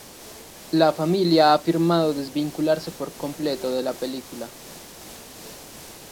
La familia ha afirmado desvincularse por completo de la película.